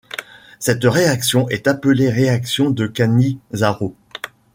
Cette réaction est appelée réaction de Cannizzaro.